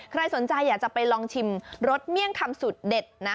ใครสนใจอยากจะไปลองชิมรสเมี่ยงคำสูตรเด็ดนะ